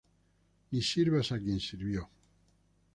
Ni sirvas a quien sirvió